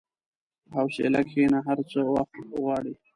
په حوصله کښېنه، هر څه وخت غواړي.